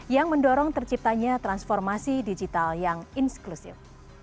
yang mendorong terciptanya transformasi digital yang inklusif